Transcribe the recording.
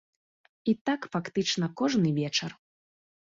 І так фактычна кожны вечар.